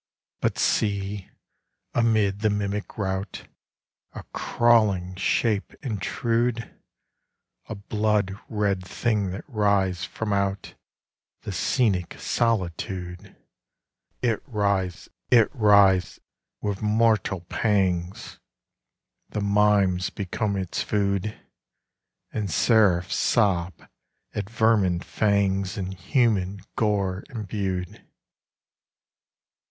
But see, amid the mimic routA crawling shape intrude!A blood red thing that writhes from outThe scenic solitude! It writhes!—it writhes!—with mortal pangsThe mimes become its food, And seraphs sob at vermin fangsIn human gore imbued.